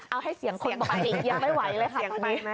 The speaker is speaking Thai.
เอาให้เสียงคนบอกอีกยังไม่ไหวเลยค่ะตอนนี้